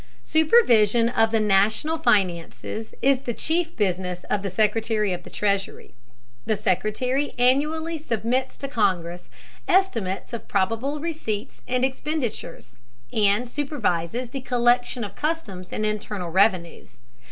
Supervision of the national finances is the chief business of the Secretary of the Treasury. The Secretary annually submits to Congress estimates of probable receipts and expenditures, and supervises the collection of customs and internal revenues.